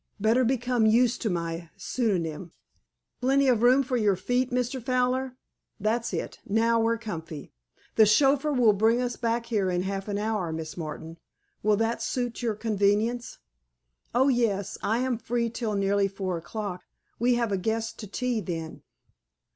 Better become used to my pseudonym.... Plenty of room for your feet, Mr. Fowler? That's it. Now we're comfy. The chauffeur will bring us back here in half an hour, Miss Martin. Will that suit your convenience?" "Oh, yes. I am free till nearly four o'clock. We have a guest to tea then."